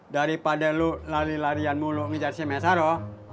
daripada lu lari larian mulu ngejar si mesarok